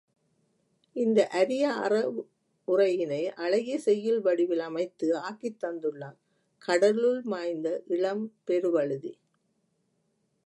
இந்த அரிய அறவுரையினை, அழகிய செய்யுள் வடிவில் அமைத்து ஆக்கித் தந்துள்ளான், கடலுள் மாய்ந்த இளம்பெருவழுதி.